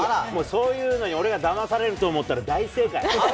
そういうのに俺がだまされると思ったら大正解。